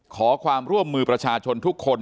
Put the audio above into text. ขอความร่วมมือประชาชนทุกคน